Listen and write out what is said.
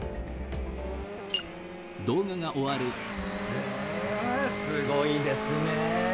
へえすごいですねえ。